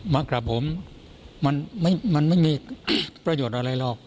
มากราบผมมันไม่มีประโยชน์อะไรหรอก